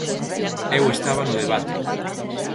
Eu estaba no debate.